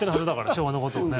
昭和のことをね。